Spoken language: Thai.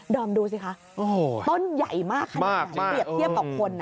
ดอมดูสิค่ะโอ้โหต้นใหญ่มากขนาดนี้มากจริงมากเปรียบเทียบกับคน